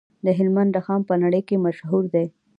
د هلمند رخام په نړۍ کې مشهور دی